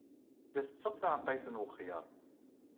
La ttetteɣ taɛeqqayt n wexyar.